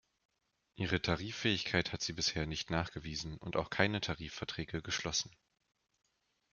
Ihre Tariffähigkeit hat sie bisher nicht nachgewiesen und auch keine Tarifverträge geschlossen.